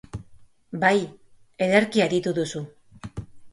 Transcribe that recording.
Bai, ederki aditu duzu.